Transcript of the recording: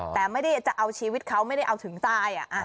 แต่ไม่ได้จะเอาชีวิตเขาไม่ได้เอาถึงตาย